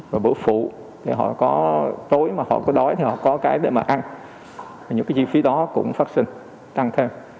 rồi bữa phụ thì họ có tối mà họ có đói thì họ có cái để mà ăn những cái chi phí đó cũng phát sinh tăng thêm